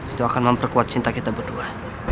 itu akan memperkuat cinta kita berdua